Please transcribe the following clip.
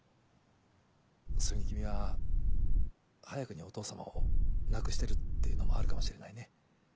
それに君は早くにお父さまを亡くしてるっていうのもあるかもしれないね。